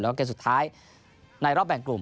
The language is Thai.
แล้วก็เกมสุดท้ายในรอบแบ่งกลุ่ม